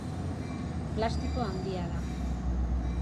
Plastiko handia da.